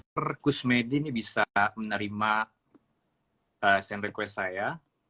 pak kusmedi bisa menerima send request saya